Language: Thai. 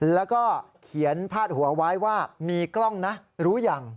แล้วก็เขียนพาดหัวไว้ว่ามีกล้องนะรู้ยัง